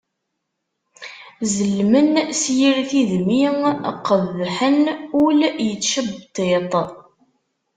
Zellmen s yir tidmi qeddḥen ul yettcebṭiṭ.